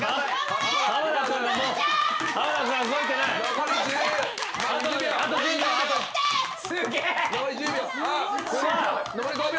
残り５秒。